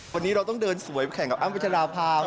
วันนี้เราต้องเดินสวยแข่งกับอ้ำพัชราภา